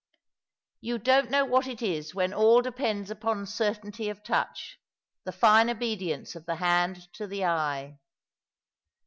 You don't know what it, is when all depends upon certainty of touch— the fine obedience of the hand to the eye.